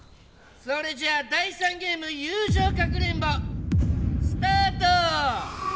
それじゃあ第３ゲーム友情かくれんぼスタート！